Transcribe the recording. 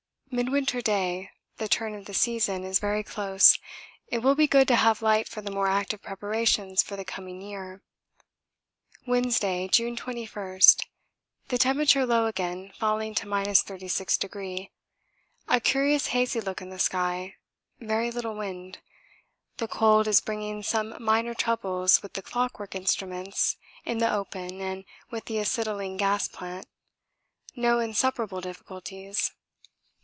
Midwinter Day, the turn of the season, is very close; it will be good to have light for the more active preparations for the coming year. Wednesday, June 21. The temperature low again, falling to 36°. A curious hazy look in the sky, very little wind. The cold is bringing some minor troubles with the clockwork instruments in the open and with the acetylene gas plant no insuperable difficulties.